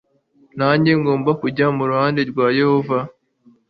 nanjye ngomba kujya mu ruhande rwa yehova